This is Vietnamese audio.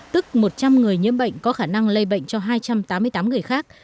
tức một trăm linh người nhiễm bệnh có khả năng lây bệnh cho hai trăm tám mươi tám người khác